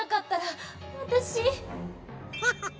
ハハハ。